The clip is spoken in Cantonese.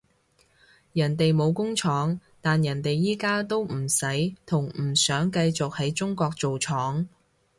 人哋冇工廠，但人哋而家都唔使同唔想繼續喺中國做廠